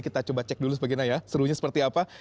kita coba cek dulu sebagainya ya serunya seperti apa